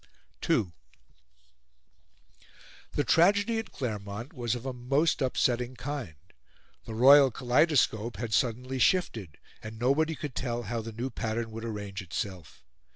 II The tragedy at Claremont was of a most upsetting kind. The royal kaleidoscope had suddenly shifted, and nobody could tell how the new pattern would arrange itself.